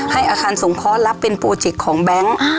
อาคารสงเคราะห์รับเป็นโปรเจกต์ของแบงค์